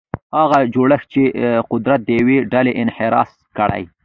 هغه جوړښت چې قدرت د یوې ډلې انحصار کړي.